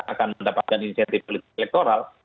akan mendapatkan insentif politik elektoral